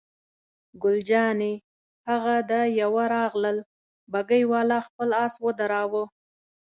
ګل جانې: هغه د یوه راغلل، بګۍ والا خپل آس ودراوه.